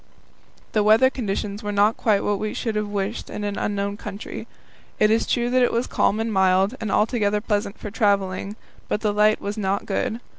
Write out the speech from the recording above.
The weather conditions were not quite what we should have wished in an unknown country. It is true that it was calm and mild, and altogether pleasant for travelling, but the light was not good.